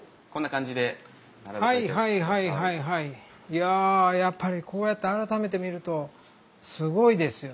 いややっぱりこうやって改めて見るとすごいですよね。